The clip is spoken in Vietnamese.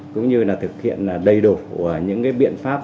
cũng như là thực hiện đầy đủ những biện pháp